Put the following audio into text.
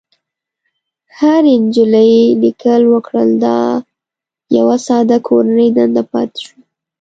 هرې نجلۍ ليکل وکړل او دا يوه ساده کورنۍ دنده پاتې شوه.